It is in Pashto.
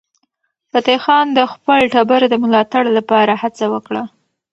فتح خان د خپل ټبر د ملاتړ لپاره هڅه وکړه.